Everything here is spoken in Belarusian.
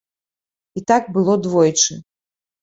І так было двойчы.